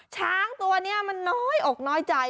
ช้างตัวนี้มันน้อยอกน้อยใจ